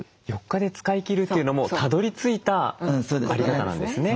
４日で使い切るというのもたどりついた在り方なんですね。